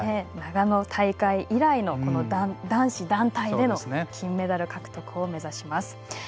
長野大会以来の男子団体の金メダルを目指します。